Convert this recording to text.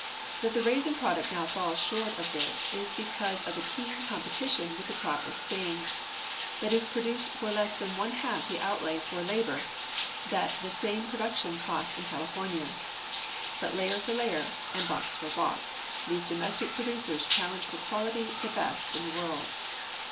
That the raisin product now falls short of tins is because of the keen competition with the crop of Spain, that is produced for less tlian one half the outla}'' for labor that the same production costs in California ; but layer for layer and box for box, these domestic producers challenge for quality the best in the world.